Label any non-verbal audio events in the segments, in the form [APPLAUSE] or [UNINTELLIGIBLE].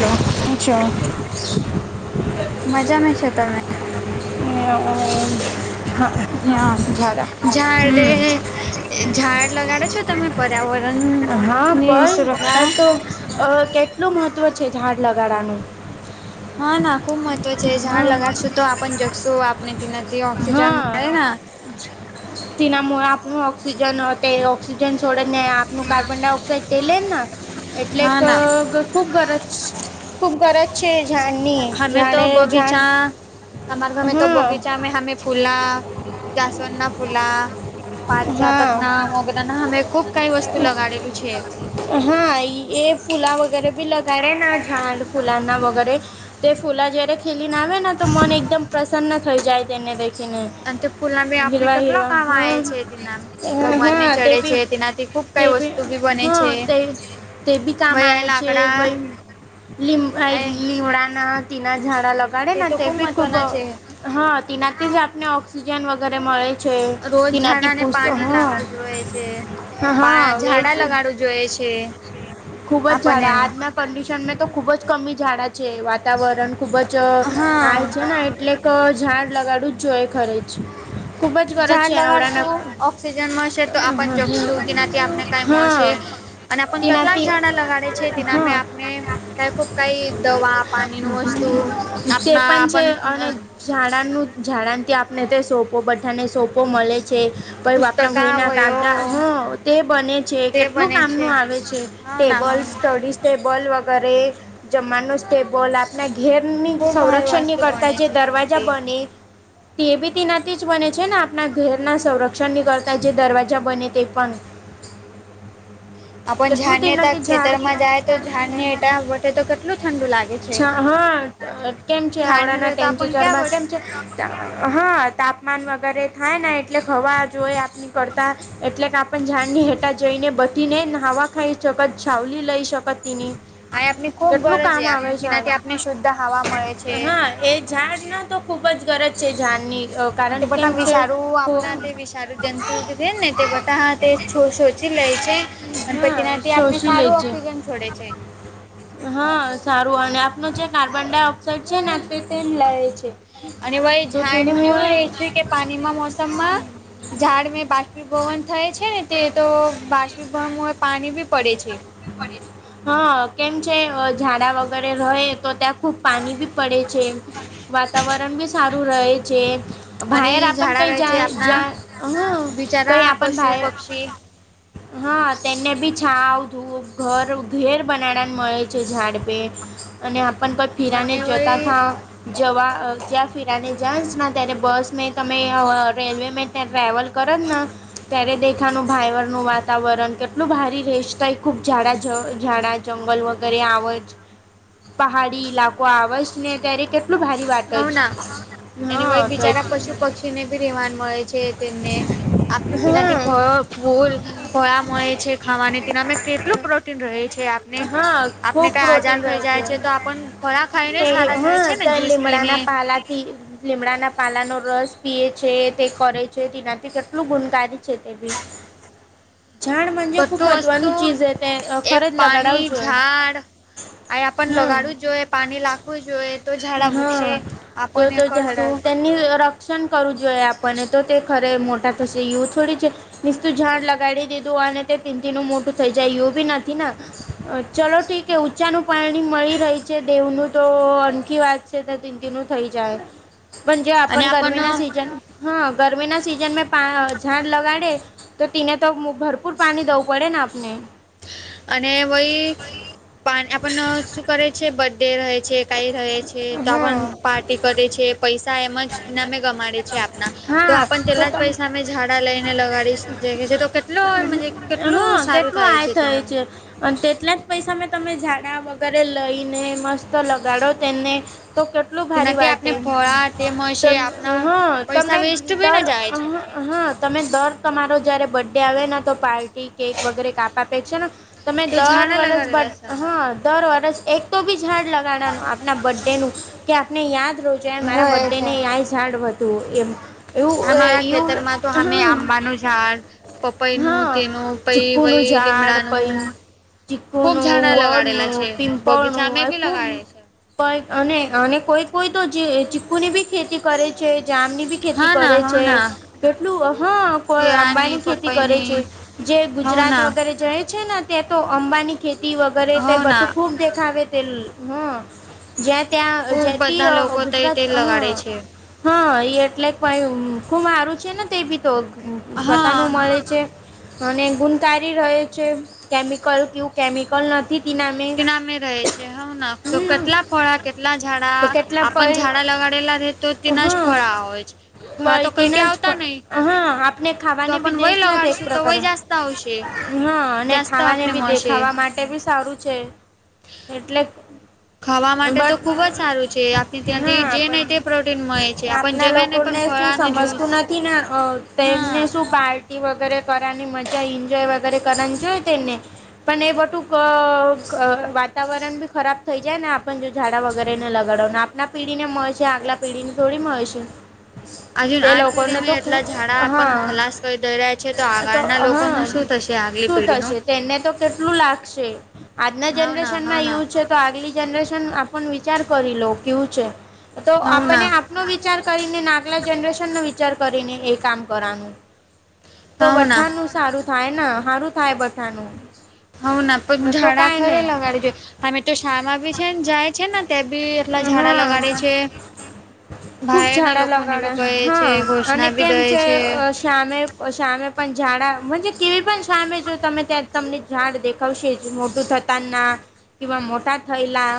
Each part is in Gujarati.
હા [UNINTELLIGIBLE] મજામાં છો તમે [UNINTELLIGIBLE] ઝાડા ઈયા ઝાડે હમ ઝાડ લગાડો છો તમે પર્યાવરણ હા નિર ભાઈ સુરક્ષા ઝાડ તો અ કેટલું મહત્વ છે ઝાડ લગાડવાનું હા ના ખુબ મહત્વ છે ઝાડ હા લગાડશું તો આપન જગશું આપને તેનાથી ઓક્સિજન મળેના તેનામ આપણું ઓક્સિજન તે ઓક્સિજન છોડે ને આ નું કાર્બન ડાયોક્સાઇડ તે લે ના એટલે હા ક ના ગ ખુબ ગરજ ખૂબ ગરજ છે એ જાન હમે તો બગીચા હમારા ઘમે તો હા બગીચા અમે હામે ફૂલા જાસવન ના ફૂલા પાર જાતક હા ના મોગરાના હમે ખુબ કાઈ વસ્તુ લગાડેલું છે. હા ઇએ ફૂલા વગેરે ભી લગાડે ને આ ઝાડ ફુલાના વગેરે તે ફૂલા જયારે ખીલીને આવે ને તો મન એકદમ પ્રસન્ન થઈ જાય તેને દેખીને અને તે ફૂલના ભી આપને હિરવા કેટલા હિરવા કામ આવે હા છે. ના ભગવાન ને હા તે ચડે બી છે તેનાથી ખુબ કઈ વસ્તુ બી બને હા છે. તે તે બી કામ વળી આ આવે છે લાકડા વઈ લીમ આ ભાઈ લીવડાના તીના ઝાડા લગાડે ના તો તે ભી ખૂબ મહત્વના છે હા તિનાથી જ આપને ઓક્સિજન વગેરે મળે છે તિના નાને પાની લાખવું જોઈએ છે. પા હા ઝાડા લગાડવું જોઈએ છે. ખુબ જ આપણને ઝડા આજના કંડિશનમે તો ખુબ જ કમી ઝાડા છે. વાતાવરણ ખુબ જ આય છે હા ને એટ એટલે ક ઝાડ લગાડું જ જોઈએ ખરે જ ખુબ જ ગરજ ઝાડ છે આવડાના લગાડશું ઓક્સિજન મળશે તો આપન જગશું તેનાથી આપને કાઈ મળશે હા અને આપણ કેટલાક તેનાથી ઝાડા લગાડ છે તેનામે હા આપને ખુબ કઈ દવા પાણી નું વસ્તુ ચે આપના પન છે આપણ અને ઝાડાનું ઝાડાથી આપને તે સોપો બઠાને સોપો મલે છે. પય બાપના ભઈના કાગદા પુસ્તકાવયો હ તે બને છે તે કેટલું બને છે. કામનું આવે છે. હા ના ટેબલ હા ના સ્ટડી સ્ટેબલ વગેરે જમાનો સ્ટટેબલ આપ ના ઘેરની ખુબ સારું સંરક્ષન્ય વસ્તુ કરતા બને જે છે દરવાજા તેનાથી. બને તે બી તેનાથી જ બને છે ને આપના ઘેરના સંરક ક્ષણ ની કરળતા જે દરવાજા બને તે પણ આપન કેટલું ઝાનેતા તેનાથી ખેતરમાં ઝાડ જાય તો ઝાડને એટ વટે તો કેટલું ઠંડુ લાગે છે. ચા હા અ કેમ છે ઝાડને આવડાના રહે તો ટેમચે આપણ ક્યાં ચરમાં કેમ છે? વટશું. હા તાપમાન વગેરે થાય ને એટલે હવા જોઈ આપની કરતા એટલે કાપ પણ ઝડ ની હેટા જઈ ને બધી ને નહાવા ખાઈ શકત છાવલી લઈ શકત તેની આય આપની ખુબ કેટલું ગરજ છે કામ આપ આવે આને તેનાથી આપને શુદ્ધ હવા મળે છે. હા એ ઝાડ ના તો ખુબ જ ગરજ છે ઝાડ ની અ તે બટા વિશારું આપના તે વિશ સારું જંતુ જ જે ને તે બટા હા તે છો સોચી લેય છે હા ગનપતિનાથી આપને શોષી લે સારું છે ઓક્સિજન છોડે છે. હા સારું અને આપનો જે કાર્બન ડાયોક્સાાઈડ છે ને તે તે લઇ છે. અને વય તો ઝાડ તેને નું એવું હું રેય છે કે પાનીમાં મોસમમાં ઝાડ મેં બાષ્પીભવન થાય છે ને તે તો બાષ્પીભવનમાં પાની બી પડે છે. પડે છે હા કેમ છે હ ઝાડા વગેરે રહે તો ત્યાં ખૂબ પાની બી પડે છે. વાતાવરણ બી સારું રહે છે. અને ભાયર આપન ઝાડા કઈ રહે છે જાયશ આપણા જા હ કઈ આપન ભાય છી હા તેને બી છાંવ ધૂપ ઘર ઉધેર પના નન મળે છે ઝાડ પે અને આપણ કોઈ ફીરાને અને જતા થા વય જવા ત્યાં ફિરાને જસ તેને બસ તમે રેલવે મે ત્યાં ટ્રાવલ કરો જ ને ત્યારે દેખાનું ભાઈવર નું વાતાવરણ કેટલું ભારી રહીશતા એ ખુબ ઝાડા ઝાડા જંગલ વગેરે આવે હ પહાડી ઈલાકો આવેજ ને ત્યારે કેટલું ભારી વાત જ એની હા વય તો બિચારા પશુ એટલે પક્ષીને બી રહેવાન મળે છે, તેમને આપણે હા તેનાથી ફળ ફૂલ ભળ મળે છે, ખાવાની તેનામાં કેટલું પ્રોટીન રહે છે. હા આપને ખૂબ કઈ આજાર પ્રોટીન થઈ રહે જાય છે, તો આપણ ખળા ખાઈને સારા થાય છે, ને જ્યુસ પીને ડાના પાલા થી લીમડાના પાલાનો રસ પીએ છે તે કરે છે, તેનાથી કેટલું ગુણકારી છે, તે ભી [INAUDIBLE] ાડજે ખુબ બધું વસ્તુ મહત્વનું ચીજ હે તે એ ખર જ લાગ [UNINTELLIGIBLE] ઝાડ આ આપ હમ લગાડવા જ જોઈએ પાણી નાખવું જોઈએ તો ઝાડા ઊગશે હા તો આપણ એ તો કરશું ઝાડા રક્ષણ કરવું જોઈએ આપણને તો તે ખરે મોટા થશે એવું થોડી છે. મસ્તું ઝાડ લગાડી દીધું અને તે પિનતીનુ મોટું થઇ જાય એવું બી નથી ને ચલો ઠીકે ઊંચાનું પાણી મળી રહી છે દેવનું તો વાત છે, તો તીન દિન થઈ જાય પણ જે આપણ ગરમી ના સીઝન હા ગરમી ના સિઝન મે ઝાડ લગાડે તો તેને તો ભરપૂર પાણી દવું પડે ને આપણે અને વય પા આપણ [UNINTELLIGIBLE] કરે છે, બર્થ ડે રહે છે, કઈ રહે છે, તો પણ હા પાર્ટી કરે છે, પૈસા એમ જ નામે ગમાડે છે, આપના તો હા આપણ તો પેલા જ તમે પૈસા મેમે ઝાડા લઈને લગાડી છે, તો કેટલ કેટલું સારું થાય છે. થાય તેના છે, અને તેટલા જ પૈસા મેં તમે ઝાડા વગેરે લઈને મસ્ત તો લગાડો તેને તો કે ટલું ભારી તેનાથી વાટે આપણે હ ફળા તે મળશે આપણા તમને પૈસા વેસ્ટ બી દર ના જાય હા તમે દર તમારો જયારે બર્થડે આવે ને તો પાર્ટી કેક વગેરે કાપ આપે છે, ને તમે છે તો દર ઝાડા વર્ષ લગાડેલા સારા હા દર વર્ષ એક તો બી ઝાડ લાગ આપ બર્થડે નુ કે આપને યાદ રોજ મારા રહે બર્થડે છે ને જાડ વધ એમ એવું અમારા એવું ખેતરમાં તો અમે હમ આંબાનું ઝાડ પપઈનું હા તેનું પઈ ચીકુ નું વઈ ઝાડ પછી લીમડાનું ચીકુ ખુબ નુ, ઝાડા વડ નુ, લગાડેલા છે પિપળ નું બગીચા મે આ બી ખૂબ લગાડે છે કઈ અને અને કોઈ કોઈ તો જે ચીકુ ની બી ખેતી કરે છે, જામની બી ખેતી હા ના કરે હો છે, ના કેટલું હા કોઈ આંબા કેળાની ની ખેતી કરે પપઈની છે. જે હો ગુજરાત ના વગેરે જાય છે, ને તે તો અંબાની ખેતી વગેરે તે હો ના બટું ખૂબ દેખાવ તે હ જ્યાં ત્યાં ખુબ જ્યાથી બધા લોકો તો ગુજરાત તે હ લગાડે છે હા એ એટલે કઈ ખુબ સારું છે, ને તે બી તો સ્વતાનુ હા મળે છે. અને ગુણકારી રહે છે, કેમિકલ કવું કેમિકલ નથી તે નામે હ ના હમ કેટલા ફળા કેટલા ડા તો કેટલા પય આપણ ઝડા લગાડેલા રહે તો તેના જ ફળ હોય જ પૈતીના જ હા આપણે ખાવાને બી દેેશ નથી એક તો વય પ્રકાર આવશે હા અને ખાવાને આપને બી મળશે દેખાવા માટે બી સારું છે, એટલે ખાવા માટે તો બટ ખુબ જ સારું છે, આપને ત્યાંથી હા જે જોય તે પ્રોટીન મળે છે, આપણ જમે નહી પણ ને શું ફળાનો જ્યુસ સમજતું નથી ને તેમને હા શું પાર્ટી વગેરે કરવાની મજા એન્જોય વગેરે કરવાની જોઈ તેમને પણ એ બધું વાતાવરણ બી ખરાબ [UNINTELLIGIBLE] થઈ જાય ને આપણ જો ાડા વગેરે ને લગાડવાોને આપના પીઢી ને મળેશે આગલા પેઢી ને થોડી મળે છે. હ આજુ આ પીઢીમાં એટલા ઝાડા આપણ હા ખલાસ કરી દઈ રહ્યા છે, તો આગળના લોકોનું શું થશે આગલી શું પેઢીનું થશે તેને તો કેટલું લાગશે આજના હવ ના હવ જનરેશનમાં યુ ના છે. તો આગલી જનરેશન આપણ વિચાર કરી લો કેવું છે, તો હવ આપને ના નો વિચાર કરીને નાગલા જનરેશન નો વિચાર કરીને એ કામ કરવાનું તો હવ ના વઠાણું સારું થાય ને હારું થાય વઠાણું [UNINTELLIGIBLE] તમે તો શામાં બી છે ને જાય છે ને ત્યાં બી એટલા ઝાડા હા લગાડે છે ખૂબ બાયર ના ઝાડા લોકો ને લગાડે બી કહે છે હા અને ઘોષણા બી કેમ દે છે સામે સામે પણ ઝાડા કેવી પણ સામે જો તમે ત્યાં તમને ઝાડ દેખાવશે જ મોટું થતાના તેવા મોટા થઈલા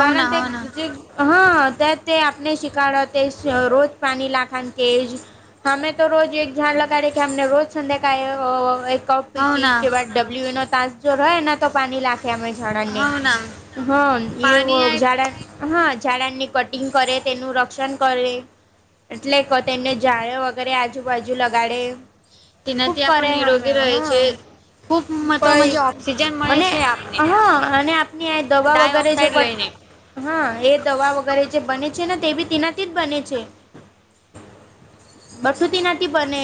તાના તે જે હા તો તે આપને શિકડ તે રોજ પાણી લાખવાનું તે જ અમે તો રોજ એક ઝાડ લગાડે કે અમને રોજ ઠંડક આયે હો કફ પીટી કે ડબલ્યુ નો તાસ જો રહે એ તો પાણી લખે અમે ઝરણ ને હા એવ પાણી આ હા ઝાડાની પત ટિંગ કરે તેનું રક્ષણ કરે એટલે તો તેમને જાયે વગેરે આજુબાજુ લગાડે ખુબ તેનાથી કરે આપણ હમે નિરોગી રહે હા છે. ખૂબ મહત્વ કઈ મજે ઓક્સિજન મળે અને છે આપને હા અને ની દવા ડાય વગેરે જ ઓક્સાઇડ બ લઈને હા એ દવા વગેરે જે બને છે ને તે બી તેનાથી જ બને છે બસુંતી નથી બને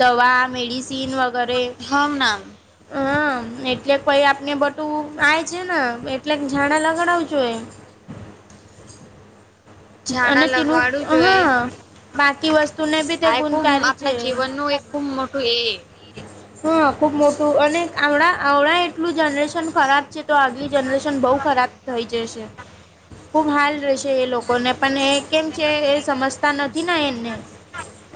દવા મેડિસિન વગેરે હમ ના હમ એટલે કોઈ આપને બધું આ છે ને એટલે ઝાડા લગાડવો જોઇએ અને ઝાડા તેનું લગવાડવું હ જોઈએ બાકી વસ્તુને બી તે આ ખૂબ ગુણકારી છે આપણા જીવનનું એક ખૂબ મોટું એ હા ખુબ મોટું અને આવડા આવડા એટલું જનરેશન ખરાબ છે તો આગલી જનરેશન બહુ ખરાબ થઈ જશે ખુબ હાલ રહેશે એ લોકો કોને પણ એ કેમ છે એ સમજતા નથી એને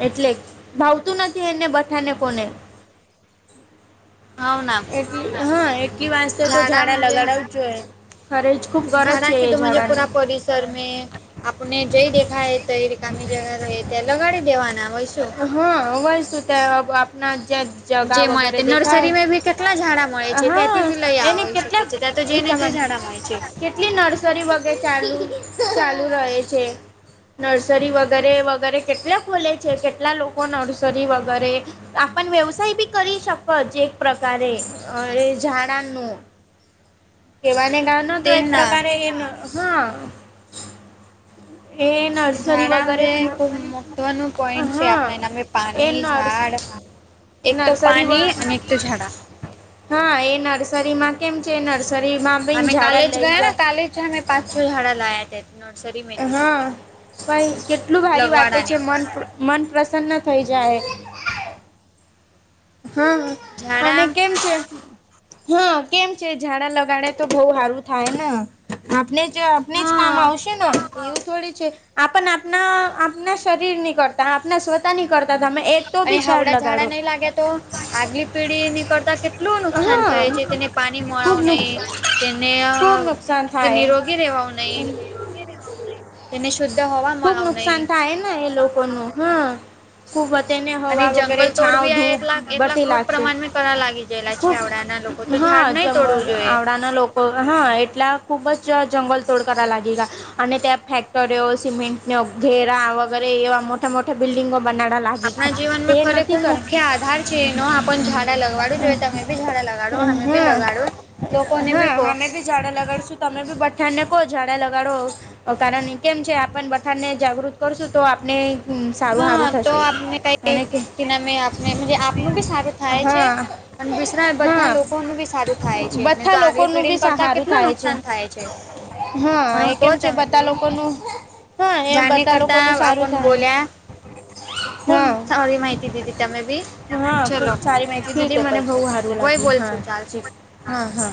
એટલે ભાવતું નથી એને બઠાને કોને [INAUDIBLE] ના એલી હા એટલી વાસ તો ઝાડા લગાડવા જ જોઈએ ખરે ખૂબ ગરજ છે ઝાડા ને ટર મેં આપને જોઈ દેખાય ત રિકામી જગા રહે ત્યાં લગાડી દેવાના હોય શું હા [UNINTELLIGIBLE] તો આપણા જે જે મળે તે નર્સરીમાં બી કેટલા જણા મળે છે ત્યાંથી હા બી લઈ એને આવાય શકે કેટલા છે ત્યા તો જઈ તે ને ઊંચા તો જ માનતા હારા મળે છે કેટલી નર્સરી વગેરે ચાલુ ચાલુ રહે છે નર્સરી વગેરે વગેરે કેટલા ખોલે છે કેટલા લોકો નર્સરી વગેરે આપ વ્યવસાય બી કરી શક એક પ્રકારે અ ઝાડાનું [INAUDIBLE] કેવાને ગા ન તો એક તેના પ્રકારે એમ હા એ નર્સરી ઝાડા વગેરે જે ખુબ મહત્વનું પોઈન્ટ છે હા આપણા નામે એ પાણી નર્સ ઝાડ એક તો નર્સરી પાણી અને એક તો ઝાડા હા એ નર્સરીમાં કેમ છે નર્સરીમાં બી અમે ઝાડા કાલેજ લઈ ગયા ને જા કાલેજ અમે પાંચ છો ઝડા લાયા તા નર્સરીમાં હા ભાઈ કેટલું ભારી વાટે લગવાડાને છે મન તો મન પ્રસન્ન થઈ જાય હા ઝાડા અને કેમ કે હા કેમ છે ઝાડા લગાડે તો બહ સારું થાય ને આપને જે આપણે જ કામ હા આવશે ને એવું થોડી છે આ પણ આપણા આપણા શરીર નીકળતા સ્વતા નહીં કરતા તમે એક તો અને બી છાડ હાવડા ઝાડા લગાડો નહીં તો આગલી પેઢી નીકળતા કે કેટલું નુકસાન હા થય છે તેને પાણી મળાવ ખુબ નુક નહીં તેને ખુબ નુકસાન તે થાય નિરોગી રેવાવું નહી ખુબ નુકસાન થાય ના એ લોકોનું હમ ખુબ વને અને હવા વગેરે જંગલ છાવ ધૂપ બતી લાગશે કર લાગે છે ખુબ આવડાના લોકો તો હા ઝાડ નહીં જંગલ તોડવું જોઈએ આવડાના લોકોક હા એટલા ખુબ જ જંગલ તોડ કરવા લાગી ગયા અને ત્યાં ફેક્ટરીઓ સિમેન્ટ ન ઘેરા વગેરે એવા મોટા મોટા બિલ્ડિંગો બન્ડા લા આપણા જીવન મે ખરેખૂબ મુખ્ય આધાર છે એ ન ડા લગાડું જોઈ તમે બી ઝાડા લગાડો અમે બી હા લગાડો લોકોને બી કહો ખાડા લગાડશું તમે બી બઠા ને કહો ઝડા લગાડો કારણ કેમ છે આપણ બથાણ ને જાગૃત કરશું તો આપણે સારું હા સારું તો થશે આપને અને કે કઈનામે આપને આપનું બી સારું થાય છે હા અને બિસરા બધા હા લોકોનું બી સારું થાય છે ને બધા તો આગળ લોકોનું બી પીડીને કરતા સારું કેટલું થાય છે નુકસાન થાય છે હા એ મને કહો કેમ છે તમે બધા બી લોકોનું હા એ જાણની બધા કરતા લોકોનું સારું આપણ થાય બોલ્યા હા ખૂબ સારી માહિતી દીધી તમે બી હા ખુબ ચલો સારી ઠીક માહિતી હે મને બહુ પછે હારી વય લાગી હા બોલશું ચાલશે હા હા